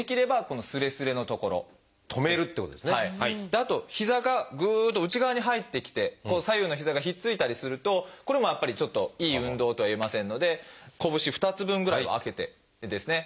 あとひざがぐっと内側に入ってきて左右のひざが引っついたりするとこれもやっぱりちょっといい運動とはいえませんのでこぶし２つ分ぐらいはあけてですね